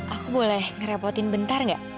aku boleh ngerepotin bentar gak